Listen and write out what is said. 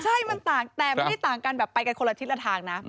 ใช่มันต่างแต่ไม่ได้ต่างกันแบบไปกันคนละทิศละทางนะ